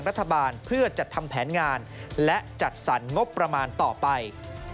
รัฐบาลเพื่อจัดทำแผนงานและจัดสรรงบประมาณต่อไป